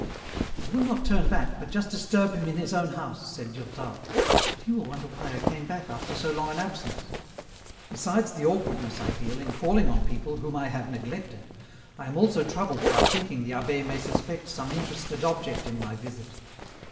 " I will not turn back, but just disturb him in his own house," said Durtal, " but he will wonder why I came back EN ROUTE. 43 after so long an absence. Besides the awkwardness I feel in calling on people whom I have neglected, I am also troubled by thinking the abbe may suspect some interested object in my visit.